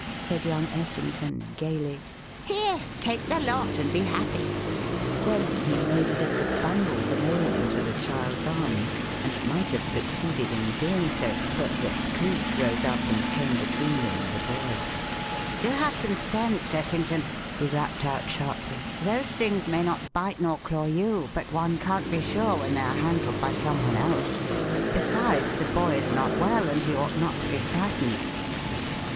said young Essington, gayly. "Here! take the lot and be happy!" Then he made as if to bundle them all into the child's arms, and might have succeeded in doing so, but that Cleek rose up and came between them and the boy. "Do have some sense, Essington!" he rapped out sharply. "Those things may not bite nor claw you, but one can't be sure when they are handled by some one else. Besides, the boy is not well and he ought not to be frightened."